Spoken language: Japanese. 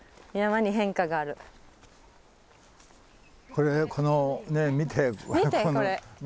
これこの見てこれ。